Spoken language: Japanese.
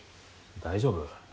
大丈夫？